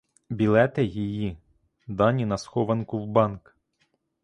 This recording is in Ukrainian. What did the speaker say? Білети її дані на схованку в банк.